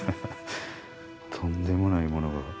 とんでもないモノが。